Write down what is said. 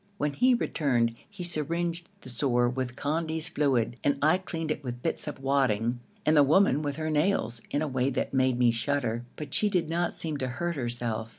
When he returned he syringed the sore with Condy's fluid and I cleaned it with bits of wadding, and the woman with her nails in a way that made me shudder, but she did not seem to hurt herself.